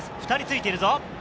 ２人ついているぞ。